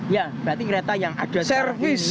ya berarti kereta yang ada di servis